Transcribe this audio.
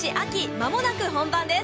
まもなく本番です！